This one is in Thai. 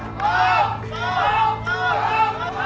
ตรง